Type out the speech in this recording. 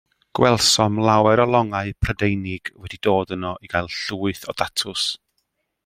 Gwelsom lawer o longau Prydeinig wedi dod yno i gael llwyth o datws.